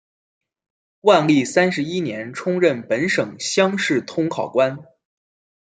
万历三十一年充任本省乡试同考官。